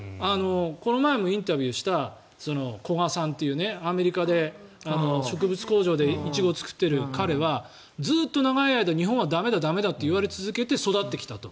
この前もインタビューした古賀さんっていうアメリカで植物工場でイチゴを作ってる彼はずっと長い間日本は駄目だ、駄目だと言われ続けて育ってきたと。